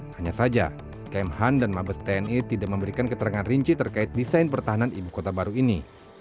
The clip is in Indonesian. hanya saja kemhan dan mabes tni tidak memberikan keterangan rinci terkait desain pertahanan ibu kota baru ini